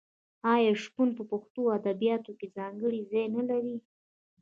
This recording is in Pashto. آیا شپون په پښتو ادبیاتو کې ځانګړی ځای نلري؟